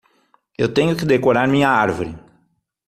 Eu tenho que decorar minha árvore.